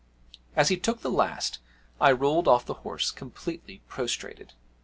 As he took the last I rolled off the horse, completely prostrated.